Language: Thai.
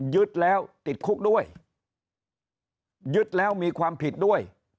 ยึดแล้วติดคุกด้วยยึดแล้วมีความผิดด้วย